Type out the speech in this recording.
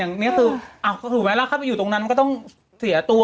อย่างนี้คือถูกไหมเราเข้าไปอยู่ตรงนั้นก็ต้องเสียตัว